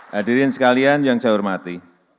hadirin sekalian yang saya hormati